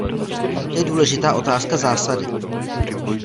To je důležitá otázka zásady.